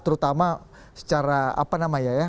terutama secara apa namanya ya